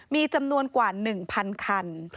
มีจำนวนกว่า๑๐๐คัน